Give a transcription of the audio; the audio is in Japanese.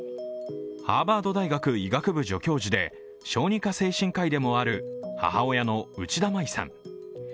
ハーバード大学医学部助教授で小児科精神科医でもある母親の内田舞さん。